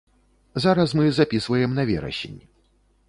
Зараз мы запісваем на верасень.